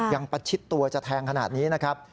ประชิดตัวจะแทงขนาดนี้นะครับ